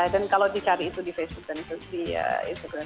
dan kalau dicari itu di facebook dan instagram